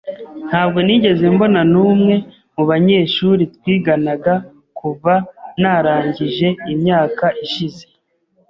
Ntabwo nigeze mbona numwe mubanyeshuri twiganaga kuva narangije imyaka ishize.